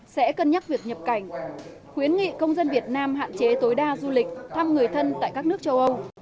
sẽ cân nhắc việc nhập cảnh khuyến nghị công dân việt nam hạn chế tối đa du lịch thăm người thân tại các nước châu âu